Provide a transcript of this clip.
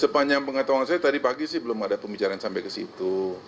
sepanjang pengetahuan saya tadi pagi sih belum ada pembicaraan sampai ke situ